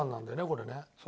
これね。